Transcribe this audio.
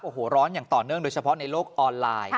โอ้โหร้อนอย่างต่อเนื่องโดยเฉพาะในโลกออนไลน์